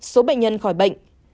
một số bệnh nhân khỏi bệnh